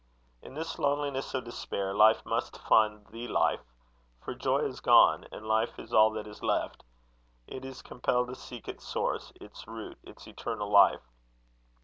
In this loneliness of despair, life must find The Life; for joy is gone, and life is all that is left: it is compelled to seek its source, its root, its eternal life.